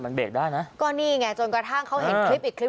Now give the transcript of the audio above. มันเบรกได้นะก็นี่ไงจนกระทั่งเขาเห็นคลิปอีกคลิป